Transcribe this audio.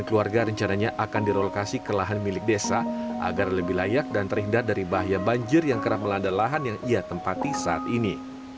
keluarga rencananya akan direlokasi ke lahan milik desa agar lebih layak dan terhindar dari bahaya banjir yang kerap melanda lahan yang ia tempati saat ini